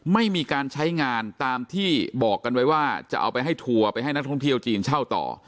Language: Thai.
ไม่มีการใช้งานตามที่บอกกันไว้ว่าจะเอาไปให้ทัวร์ไปให้นักท่องเที่ยวจีนเช่าต่อ